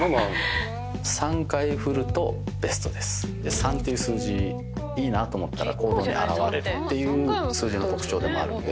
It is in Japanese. ３っていう数字いいなと思ったら行動に現れるっていう数字の特徴でもあるんで。